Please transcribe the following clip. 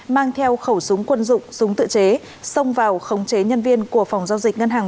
mang theo khẩu súng quân dụng súng tự chế xông vào khống chế nhân viên của phòng giao dịch ngân hàng